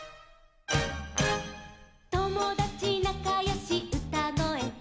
「ともだちなかよしうたごえと」